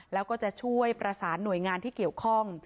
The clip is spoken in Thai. แล้วก็จะช่วยประสานหน่วยงานที่เกี่ยวข้อง